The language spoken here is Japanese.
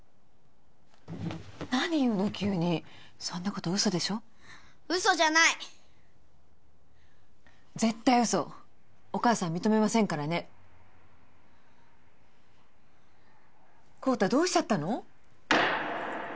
何言うの急にそんなこと嘘でしょ嘘じゃない絶対嘘お母さん認めませんからね孝多どうしちゃったの？